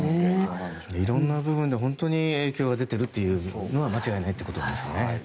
いろんな部分で本当に影響が出ているのは間違いないということですね。